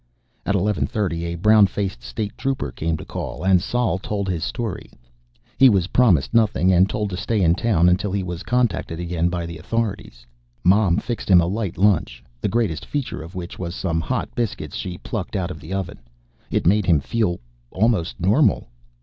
At eleven thirty, a brown faced State Trooper came to call, and Sol told his story. He was promised nothing, and told to stay in town until he was contacted again by the authorities. Mom fixed him a light lunch, the greatest feature of which was some hot biscuits she plucked out of the oven. It made him feel almost normal.